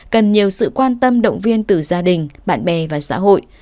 cần nhiều sự quan tâm động viên từ gia đình bạn bè và xã hội